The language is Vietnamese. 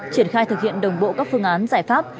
triển khai thực hiện đồng bộ các phương án giải pháp